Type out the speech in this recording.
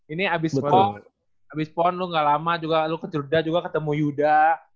ini abis pon abis pon lu gak lama juga lu ke jodha juga ketemu yuda